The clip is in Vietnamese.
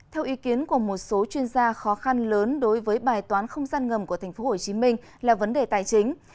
theo ý kiến của một số chuyên gia khó khăn lớn đối với bài toán không gian ngầm của tp hcm là vấn đề tài chính